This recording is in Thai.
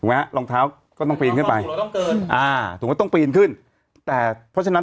ถูกไหมฮะรองเท้าก็ต้องปีนขึ้นไปอ่าถูกว่าต้องปีนขึ้นแต่เพราะฉะนั้น